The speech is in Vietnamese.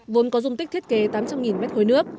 vốn có dung tích thiết kế tám trăm linh m ba nước